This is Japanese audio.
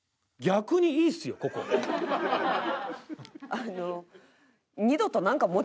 あの。